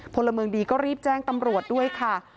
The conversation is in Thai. พลเมืองดีก็รีบแจ้งตำรวจด้วยค่ะ